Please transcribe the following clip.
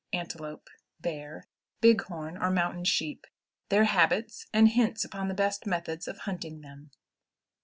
Antelope. Bear. Big horn, or Mountain Sheep. Their Habits, and Hints upon the best Methods of hunting them.